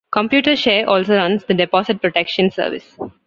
Computershare also runs The Deposit Protection Service.